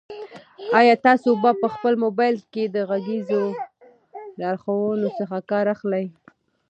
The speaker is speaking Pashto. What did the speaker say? آیا تاسو په خپل موبایل کې د غږیزو لارښوونو څخه کار اخلئ؟